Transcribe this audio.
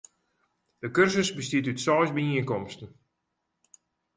De kursus bestiet út seis byienkomsten.